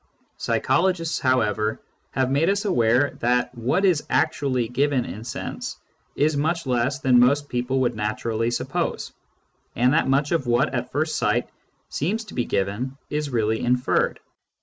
Psychologists, however, have made us aware that what is actually given in sense is much less than most people would naturally suppose, and that much of what at first sight seems to be given is really inferred.